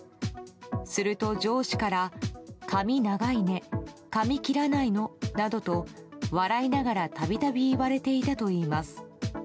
すると上司から、髪長いね髪切らないの？などと笑いながらたびたび言われていたといいます。